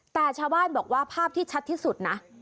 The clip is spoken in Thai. แต่ชาวบ้านบอกว่าภาพที่ชัดที่สุดนะ